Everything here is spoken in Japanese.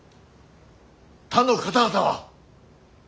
他の方々は。